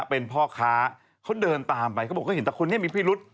เป็นพ่อค้าเขาเดินตามไปเขาบอกเขาเห็นแต่คนนี้มีพิรุษ